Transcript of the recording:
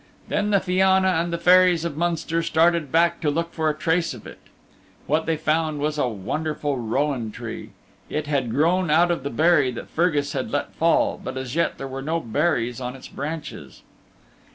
Then the Fianna and the Fairies of Munster started back to look for a trace of it. What they found was a wonderful Rowan Tree. It had grown out of the berry that Fergus had let fall, but as yet there were no berries on its branches.